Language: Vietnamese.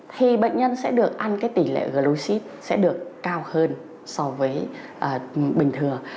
thì bệnh nhân sẽ được ăn cái tỉ lệ glucid sẽ được cao hơn so với bình thường